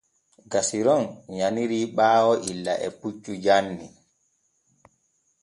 Gasiron yaniri ɓaayo illa e puccu janni.